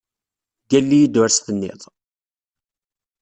Ggall-iyi-d ur s-tenniḍ!